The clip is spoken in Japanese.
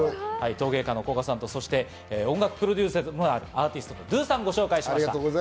陶芸家の古賀さんと音楽プロデューサーでもあるアーティストのｄｏｏｏｏさんをご紹介しました。